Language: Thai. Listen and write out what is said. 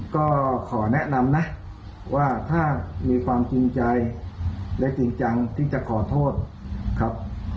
ก็ขอแนะนำนะว่าถ้ามีความจริงใจและจริงจังที่จะขอโทษครับ